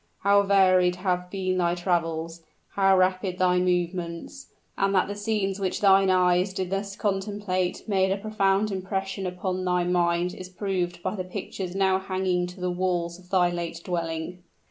How varied have been thy travels! how rapid thy movements. And that the scenes which thine eyes did thus contemplate made a profound impression upon thy mind is proved by the pictures now hanging to the walls of thy late dwelling."